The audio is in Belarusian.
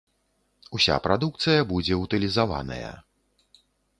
Уся прадукцыя будзе ўтылізаваная.